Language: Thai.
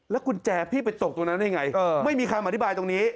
กุญแจพี่ไปตกตรงนั้นได้ยังไงไม่มีคำอธิบายตรงนี้